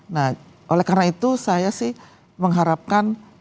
nah oleh karena itu saya sih mengharapkan